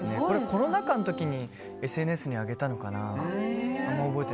コロナ禍の時にＳＮＳに上げたのかな。